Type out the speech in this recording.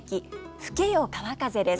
「吹けよ川風」です。